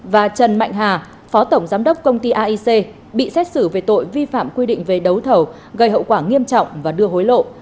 và trần mạnh hà phó tổng giám đốc công ty aic bị xét xử về tội vi phạm quy định về đấu thầu gây hậu quả nghiêm trọng và đưa hối lộ